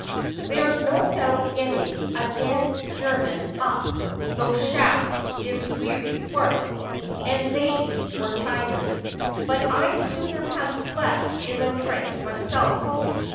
There's no doubt getting a dead German up those shafts is weary work, and they were tired. But I'd sooner have slept in the trench myself.